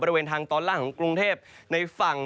บริเวณทางตอนล่างของกรุงเทพในฝั่ง